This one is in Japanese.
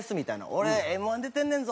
「俺Ｍ−１出てんねんぞ！」